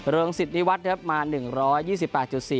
โรงศิษย์นิวัตรนะครับมาหนึ่งร้อยยี่สิบแปดจุดสี่